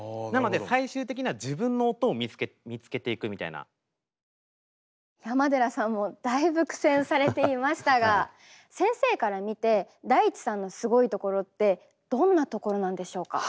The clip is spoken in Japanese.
なので山寺さんもだいぶ苦戦されていましたが先生から見てＤａｉｃｈｉさんのすごいところってどんなところなんでしょうか？